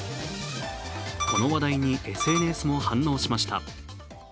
この話題にＳＮＳも反応しました。